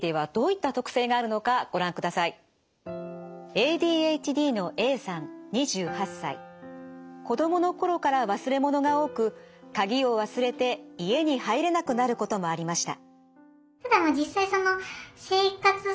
ＡＤＨＤの子どもの頃から忘れ物が多く鍵を忘れて家に入れなくなることもありました。